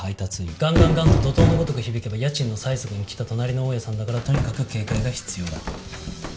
ガンガンガンと怒涛のごとく響けば家賃の催促に来た隣の大家さんだからとにかく警戒が必要だ。